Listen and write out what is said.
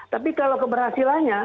tapi kalau keberhasilannya